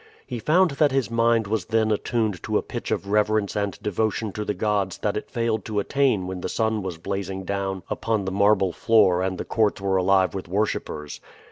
He found that his mind was then attuned to a pitch of reverence and devotion to the gods that it failed to attain when the sun was blazing down upon the marble floor and the courts were alive with worshipers.